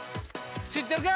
知ってるか？